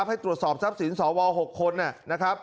อย่างเหมือนเดิมไหมนะคะ